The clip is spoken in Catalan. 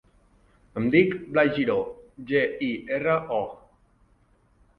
Em dic Blai Giro: ge, i, erra, o.